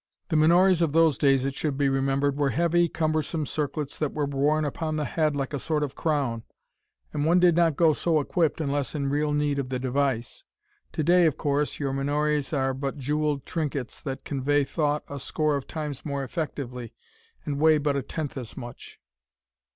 The menores of those days, it should be remembered, were heavy, cumbersome circlets that were worn upon the head like a sort of crown, and one did not go so equipped unless in real need of the device. To day, of course, your menores are but jeweled trinkets that convey thought a score of times more effectively, and weigh but a tenth as much.